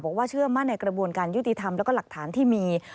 เชื่อมั่นในกระบวนการยุติธรรมแล้วก็หลักฐานที่มี